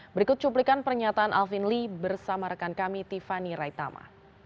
berikut cuplikan pernyataan alvin lee bersama rekan kami tiffany raitama